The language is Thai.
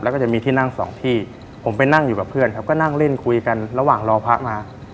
แล้วก็จะมีที่นั่งสองที่ผมไปนั่งอยู่กับเพื่อนครับก็นั่งเล่นคุยกันระหว่างรอพระมา